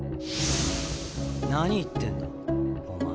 何言ってんだお前？